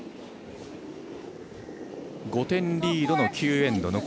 ５点リードの９エンド。